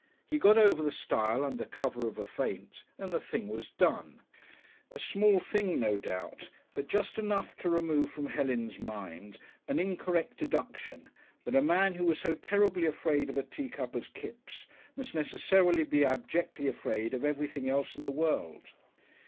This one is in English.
He got over the stile under cover of a feint, and the thing was done a small thing, no doubt, but just enough to remove from Helen's mind an incorrect deduction that a man who was so terribly afraid of a teacup as Kipps must necessarily be abjectly afraid of everything else in the world.